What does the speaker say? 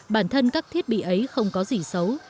bản thân các thiết bị ấy không có gì xấu